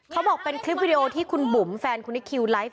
เขาบอกเป็นคลิปวิดีโอที่คุณบุ๋มแฟนคุณนิคิวไลฟ์